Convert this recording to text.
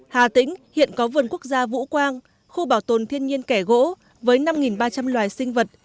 hà tĩnh hiện có vườn quốc gia vũ quang khu bảo tồn thiên nhiên kẻ gỗ với năm ba trăm linh loài sinh vật